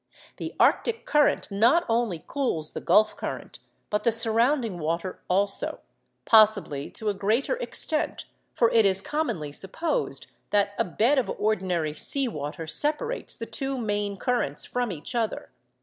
The arctic current not only cools the Gulf current, but the surrounding water also—possibly to a greater extent, for it is commonly supposed that a bed of ordinary sea water separates the two main currents from each other.